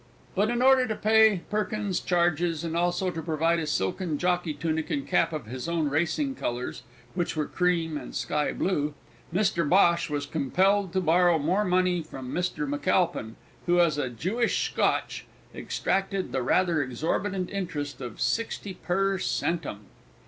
But in order to pay Perkins charges, and also provide a silken jockey tunic and cap of his own racing colours (which were cream and sky blue), Mr Bhosh was compelled to borrow more money from Mr McAlpine, who, as a Jewish Scotch, exacted the rather exorbitant interest of sixty per centum.